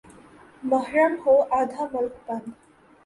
محرم ہو آدھا ملک بند۔